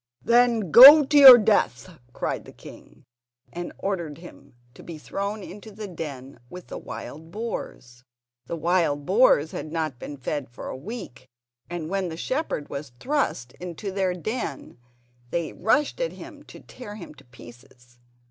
"Then go to your death," cried the king; and ordered him to be thrown into the den with the wild boars. The wild boars had not been fed for a week, and when the shepherd was thrust into their don they rushed at him to tear him to pieces.